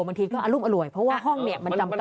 บางทีก็อรุมอร่วยเพราะว่าห้องเนี่ยมันจำกัด